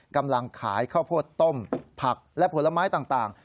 กำลังขายข้าวโพดต้มผักและผลไม้ต่าง